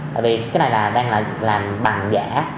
tại vì cái này là đang làm bằng giả